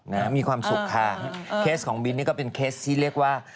มีความสุขค่ะเคสของบินนี่ก็เป็นเคสที่เรียกว่า